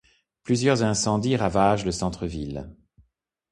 Plusieurs incendies ravagent le centre-ville.